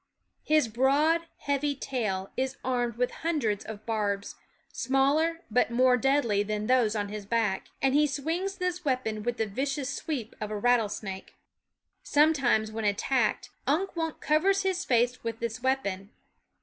His broad, heavy tail is armed with hundreds of barbs, smaller but more deadly than those on his back ; and he 6 swings this weapon with the vicious sweep of a rattlesnake. Sometimes, when attacked, Unk Wunk covers his face with this weapon.